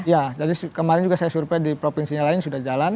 ya jadi kemarin juga saya survei di provinsinya lain sudah jalan